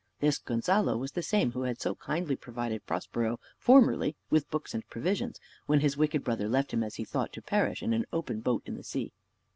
This Gonzalo was the same who had so kindly provided Prospero formerly with books and provisions, when his wicked brother left him, as he thought, to perish in an open boat in the sea.